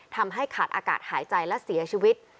ทำให้ขาดอากาศหายใจและเสียชีวิต